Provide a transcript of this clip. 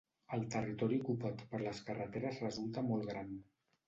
El territori ocupat per les carreteres resulta molt gran.